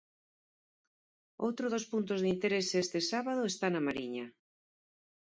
Outro dos puntos de interese este sábado está na Mariña.